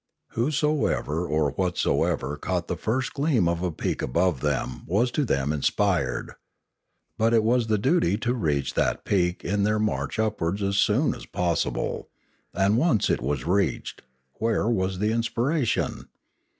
Whosoever or whatso ever caught the first gleam of a peak above them was to them inspired. But it was the duty to reach that peak in their march upwards as soon as possible; and once it was reached, where was the inspiration?